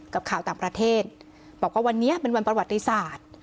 กับข่าวต่างประเทศบอกว่าวันนี้เป็นวันประวัติศาสตร์